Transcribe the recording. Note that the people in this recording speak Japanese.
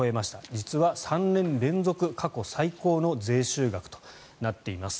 実は３年連続、過去最高の税収額となっています。